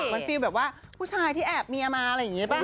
มันฟิลแบบว่าผู้ชายที่แอบเมียมาอะไรอย่างนี้ป่